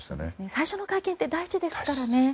最初の会見って大事ですからね。